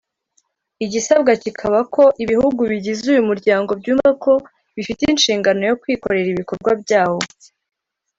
igisabwa kikaba ko ibihugu bigize uyu muryango byumva ko bifite inshingano yo kwikorera ibikorwa byawo